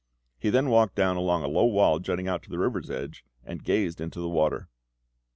He then walked down along a low wall jutting out to the river's edge, and gazed into the water.